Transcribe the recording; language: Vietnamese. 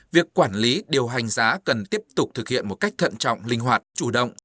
việc quản lý điều hành giá cần tiếp tục thực hiện một cách thận trọng linh hoạt chủ động